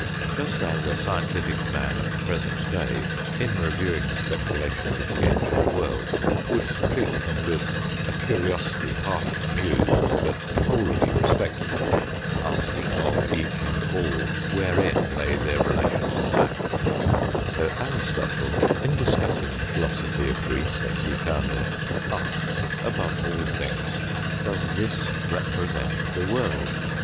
Just, as a scientific man of the present day in reviewing the speculations of the ancient world would treat them with a curiosity half amused but wholly respectful, asking of each and all wherein lay their 36 THE FOURTH DIMENSION relation to fact, so Aristotle, in discussing the philosophy of Greece as he found it, asks, above all other things :" Does this represent the world